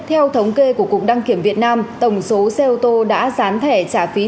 theo thống kê của cục đăng kiểm việt nam tổng số xe ô tô đã dán thẻ trả phí